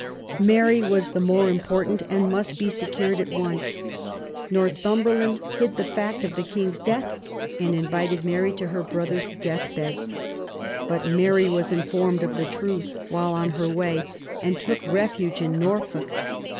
Mary was the more important, and must be secured at once. Northumberland hid the fact of the King's death, and invited Mary to her brother's THE YOUTH OF ELIZABETH. 21 deathbed. But Mary was informed of the truth, while on her way, and took refuge in Norfolk.